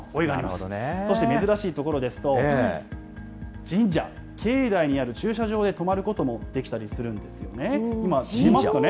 そして、珍しい所ですと、神社、境内にある駐車場で泊まることもできたりするんですよね。